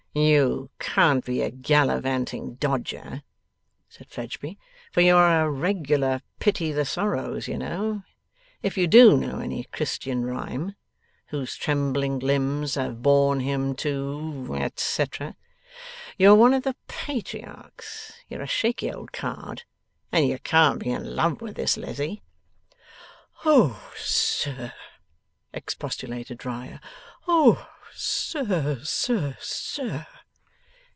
'You can't be a gallivanting dodger,' said Fledgeby. 'For you're a "regular pity the sorrows", you know if you DO know any Christian rhyme "whose trembling limbs have borne him to" et cetrer. You're one of the Patriarchs; you're a shaky old card; and you can't be in love with this Lizzie?' 'O, sir!' expostulated Riah. 'O, sir, sir, sir!